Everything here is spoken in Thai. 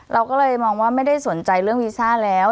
เราก็เลยมองว่าไม่ได้สนใจเรื่องวีซ่าแล้ว